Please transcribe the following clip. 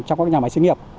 trong các nhà máy xí nghiệp